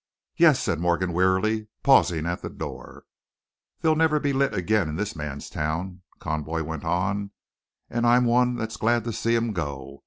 "Yes," said Morgan, wearily, pausing at the door. "They'll never be lit again in this man's town," Conboy went on, "and I'm one that's glad to see 'em go.